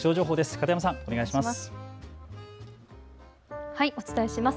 片山さん、お願いします。